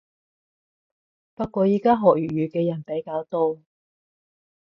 不過依家學粵語嘅人比較多